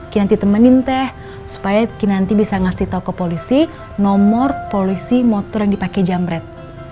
kinanti temenin teh supaya kinanti bisa ngasih toko polisi nomor polisi motor yang dipakai jamret